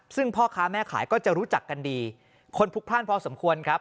ซึ่งพ่อค้าแม่ขายก็จะรู้จักกันดีคนพลุกพลาดพอสมควรครับ